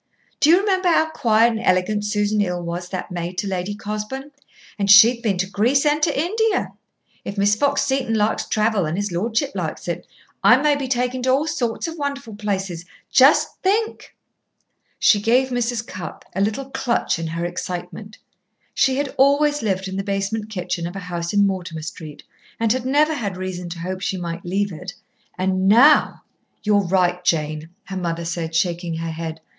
Do you remember how quiet and elegant Susan Hill was that was maid to Lady Cosbourne? And she'd been to Greece and to India. If Miss Fox Seton likes travel and his lordship likes it, I may be taken to all sorts of wonderful places. Just think!" She gave Mrs. Cupp a little clutch in her excitement. She had always lived in the basement kitchen of a house in Mortimer Street and had never had reason to hope she might leave it. And now! "You're right, Jane!" her mother said, shaking her head.